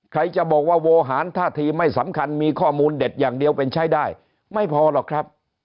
ใครจะบอกว่าโวหารท่าทีไม่สำคัญมีข้อมูลเด็ดอย่างเดียวเป็นใช้ได้ไม่พอหรอกครับ